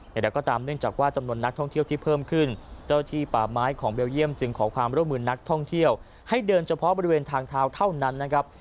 อย่างไรก็ตามเนื่องจากว่าจำนวนนักท่องเที่ยวที่เพิ่มขึ้นเจ้าที่ป่าไม้ของเบลเยี่ยมจึงขอความร่วมมือนักท่องเที่ยวให้เดินเฉพาะบริเวณทางเท้าเท่านั้นนะครับ